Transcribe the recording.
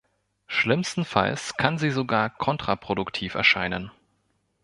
Schlimmstenfalls kann sie sogar kontraproduktiv erscheinen.